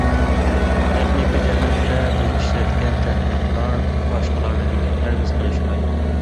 تېخنىكا جەھەتتە بىز ئىشلەتكەن تېخنىكىلار باشقىلارنىڭكىدىن ھەرگىز قېلىشمايدۇ.